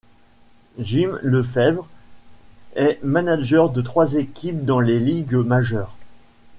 Jim Lefebvre est manager de trois équipes dans les Ligues majeures.